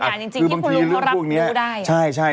คือบางทีเรื่องพวกนี้